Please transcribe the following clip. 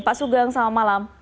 pak sugeng selamat malam